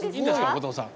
後藤さん。